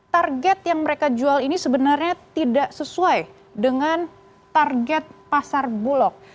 target yang mereka jual ini sebenarnya tidak sesuai dengan target pasar bulog